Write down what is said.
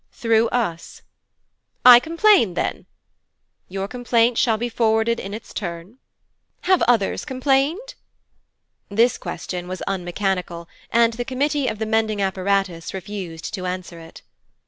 'Through us.' 'I complain then.' 'Your complaint shall be forwarded in its turn.' 'Have others complained?' This question was unmechanical, and the Committee of the Mending Apparatus refused to answer it.